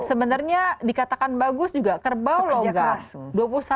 sebenarnya dikatakan bagus juga kerbau logas